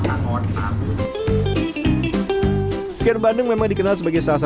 ikan bandeng memang dikenal sebagai salah satu ikan bandeng yang paling terkenal di indonesia